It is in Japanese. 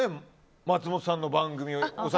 松本さんの番組。